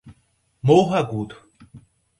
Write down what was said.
Morro Agudo